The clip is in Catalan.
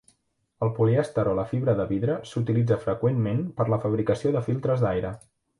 El polièster o la fibra de vidre s'utilitza freqüentment per la fabricació de filtres d'aire.